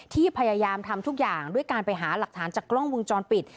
พยายามทำทุกอย่างด้วยการไปหาหลักฐานจากกล้องวงจรปิด